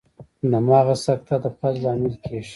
د مغز سکته فلج لامل کیږي